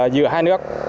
giữa hai nước